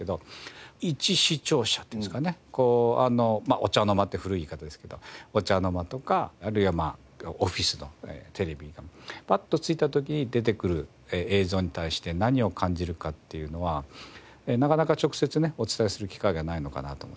「お茶の間」って古い言い方ですけどお茶の間とかあるいはオフィスのテレビ画面パッとついた時に出てくる映像に対して何を感じるかっていうのはなかなか直接ねお伝えする機会がないのかなと思って。